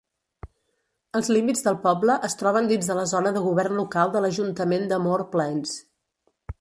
Els límits del poble es troben dins de la zona de govern local de l'ajuntament de Moree Plains.